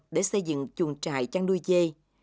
để xây dựng chuồng trại trang nuôi dê